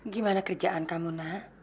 gimana kerjaan kamu nak